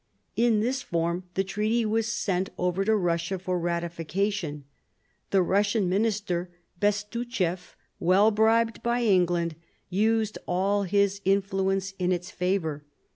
In this form the treaty was sent over to Russia for ratification. The Russian minister, Bestuchef, well bribed by England, used all his in fluence in its favour.